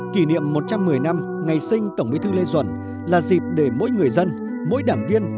kỷ niệm một trăm một mươi năm ngày sinh tổng bí thư lê duẩn là dịp để mỗi người dân mỗi đảng viên